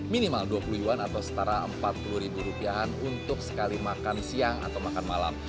minimal dua puluh iwan atau setara empat puluh ribu rupiah untuk sekali makan siang atau makan malam